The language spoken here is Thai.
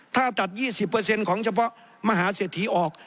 ถ้าจัด๒๐ของเฉพาะมหาเศรษฐีออก